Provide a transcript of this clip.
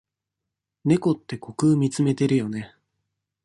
猫って虚空みつめてるよね。